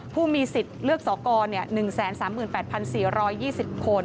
ผู้มีสิทธิ์เลือกสอกร๑๓๘๔๒๐คน